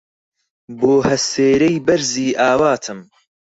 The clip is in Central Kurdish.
بۆ هەسێرەی بەرزی ئاواتم